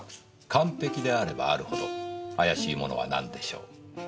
完璧であればあるほど怪しいものは何でしょう？